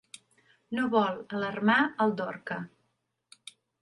No vol alarmar el Dorca.